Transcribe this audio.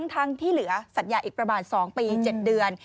ทั้งที่เหลือสัญญาอีกประมาณ๒ปี๗เดือน